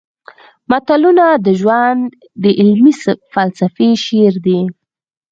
متلونه د ژوند د عملي فلسفې شعر دي